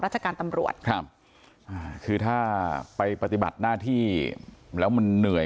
จากการตำรวจครับอ่าคือถ้าไปปฏิบัติหน้าที่แล้วมันเหนื่อย